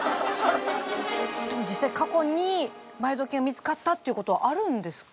でも実際過去に埋蔵金が見つかったっていうことはあるんですか？